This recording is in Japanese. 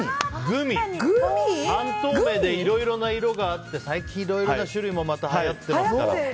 半透明で、いろいろな色があって最近いろいろな種類もまたはやってますから。